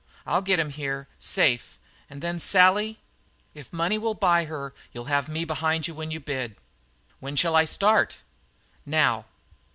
I'll get him here safe! And then Sally " "If money will buy her you'll have me behind you when you bid." "When shall I start?" "Now."